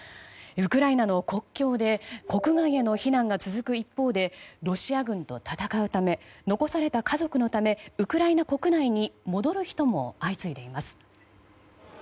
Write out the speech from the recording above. ウクライナの国境で国外への避難が続く一方でロシア軍と戦うため残された家族のためウクライナ国内に戻る人も相次いでいます。